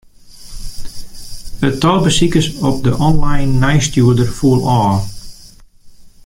It tal besikers op de online nijsstjoerder foel ôf.